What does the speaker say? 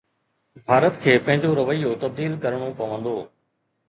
ڀارت کي پنهنجو رويو تبديل ڪرڻو پوندو.